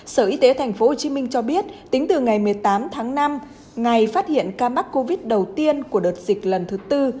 sở y tế thành phố hồ chí minh cho biết tính từ ngày một mươi tám tháng năm ngày phát hiện ca mắc covid đầu tiên của đợt dịch lần thứ tư